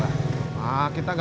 ah kita gak mungkin diadu domba